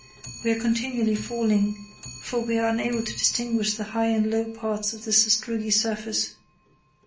We are continually falling, for we are unable to distinguish the high and low parts of the sastrugi surface.